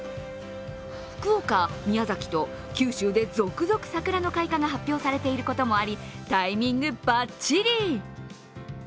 福岡・宮崎と九州で続々桜の開花が発表されていることもありタイミングバッチリ。